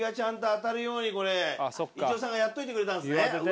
これ一夫さんがやっといてくれたんですね？